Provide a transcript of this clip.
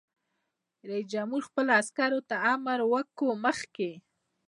رئیس جمهور خپلو عسکرو ته امر وکړ؛ مخکې!